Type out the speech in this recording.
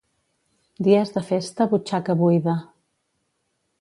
Dies de festa, butxaca buida.